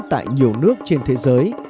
tại nhiều nước trên thế giới